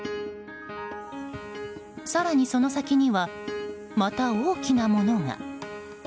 更にその先にはまた大きなものが。